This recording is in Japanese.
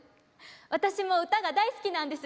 私も唄が大好きなんです。